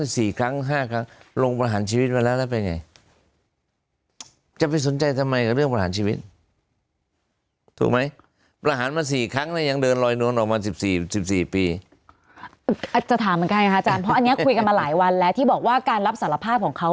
จะถามเหมือนกันค่ะอาจารย์เพราะอันนี้คุยกันมาหลายวันแล้วที่บอกว่าการรับสารภาพของเขา